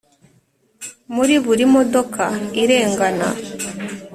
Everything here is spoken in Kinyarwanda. muri buri modoka irengana.